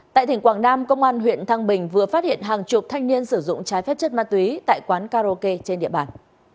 tại tỉnh quảng nam công an huyện thăng bình vừa phát hiện hàng chục thanh niên sử dụng trái phép chất ma túy tại quán karaoke trên địa bàn